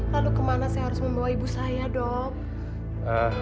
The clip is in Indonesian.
lalu kemana saya harus membawa ibu saya dok